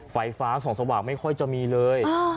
ไฟฟ้าส่องสว่างไม่ค่อยจะมีเลย